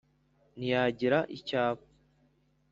ntiyagira icyo aba